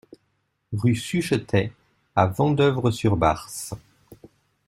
Rue Suchetet à Vendeuvre-sur-Barse